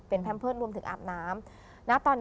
เปลี่ยนแพมเพิร์สวงถึงอาบน้ำ